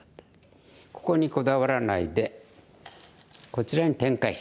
ここにこだわらないでこちらに展開していく。